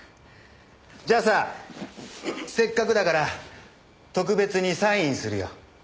じゃあさせっかくだから特別にサインするよ。